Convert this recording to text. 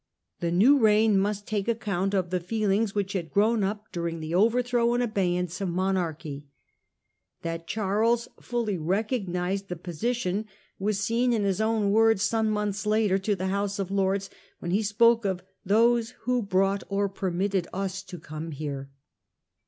The new reign must take account of the feelings which had grown up during the overthrow and abeyance of monarchy. That Charles fully recognised the position was seen in his own words some months later to the House of Lords, when he spoke of 1 those who brought or permitted us to come here.